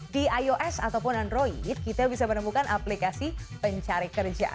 di ios ataupun android kita bisa menemukan aplikasi pencari kerja